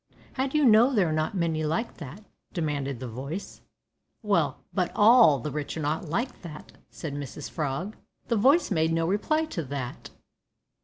"How do you know there are not many like that?" demanded the Voice. "Well, but all the rich are not like that," said Mrs Frog. The Voice made no reply to that!